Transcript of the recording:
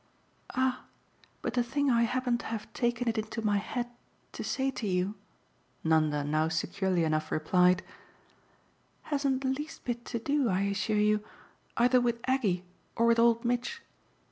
"Ah but the thing I happen to have taken it into my head to say to you," Nanda now securely enough replied, "hasn't the least bit to do, I assure you, either with Aggie or with 'old Mitch.